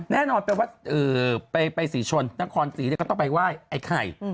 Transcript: แน่นอนเป็นวัดไปสิทธิ์ชนนครสีธรรมราชก็ต้องไปไหว้ไอ้ไข่